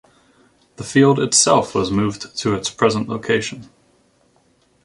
The field itself was moved to its present location.